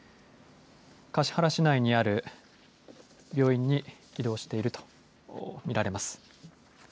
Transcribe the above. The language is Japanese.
橿原市内にある病院に移動していると見られます。